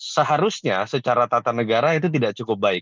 seharusnya secara tata negara itu tidak cukup baik